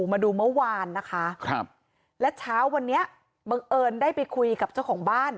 มาดูเมื่อวานนะคะครับและเช้าวันนี้บังเอิญได้ไปคุยกับเจ้าของบ้าน